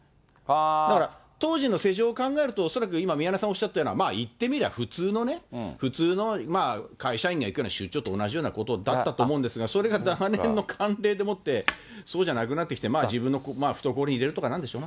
だから、当時の世情を考えると、恐らく今、宮根さんがおっしゃったような、いってみれば普通のね、普通の会社員が行くような出張と同じようなことだったと思うんですが、それが長年の慣例でもって、そうじゃなくなってきて、自分の懐に入れるとかなんでしょう。